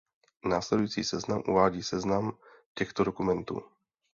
Následující seznam uvádí seznam těchto dokumentů.